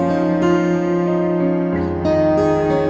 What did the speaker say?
aku mau ke sana